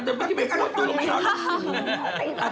เถอะใบไปโปรดตื้อลงไปอีกต่อ